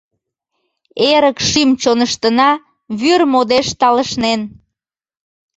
Эрык шӱм-чоныштына Вӱр модеш талышнен.